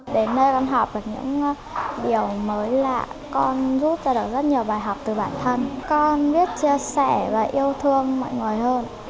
đến đây con học được những điều mới lạ con rút ra được rất nhiều bài học từ bản thân con biết chia sẻ và yêu thương mọi người hơn